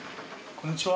こんにちは。